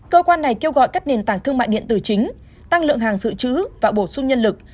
cơ quan này kêu gọi các nền tảng thương mại điện tử chính tăng lượng hàng dự trữ và bổ sung nhân lực